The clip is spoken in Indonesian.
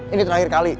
ini terakhir kali